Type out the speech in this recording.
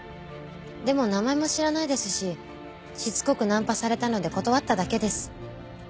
でも名前も知らないですししつこくナンパされたので断っただけです。